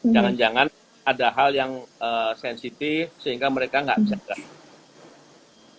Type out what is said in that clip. jangan jangan ada hal yang sensitif sehingga mereka nggak bisa gagal